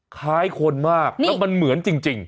คล้ายคนมากแล้วมันเหมือนจริง